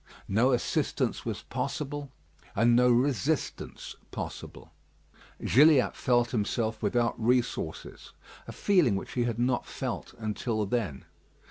No assistance was possible, and no resistance possible. Gilliatt felt himself without resources; a feeling which he had not felt until then.